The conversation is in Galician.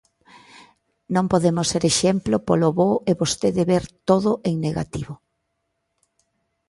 Non podemos ser exemplo polo bo e vostedes ver todo en negativo.